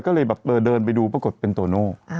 ก็เลยแบบเดินไปดูปรากฏเป็นโตโน่